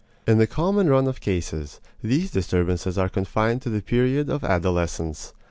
In the common run of cases, these disturbances are confined to the period of adolescence.